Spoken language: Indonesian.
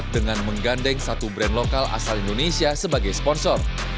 dengan menggandeng satu brand lokal asal indonesia sebagai sponsor